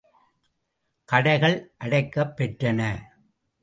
கடைகள் அடைக்கப் பெற்றன.